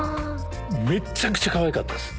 めっちゃくちゃかわいかったです。